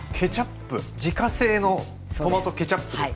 自家製のトマトケチャップですか？